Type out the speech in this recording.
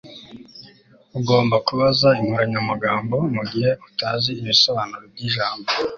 ugomba kubaza inkoranyamagambo mugihe utazi ibisobanuro byijambo